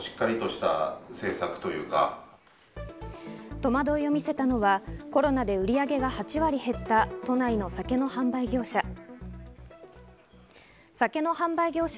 戸惑いを見せたのは、コロナで売り上げが８割減った都内の酒の販売業者。